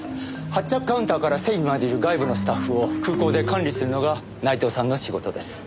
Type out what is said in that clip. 発着カウンターから整備までいる外部のスタッフを空港で管理するのが内藤さんの仕事です。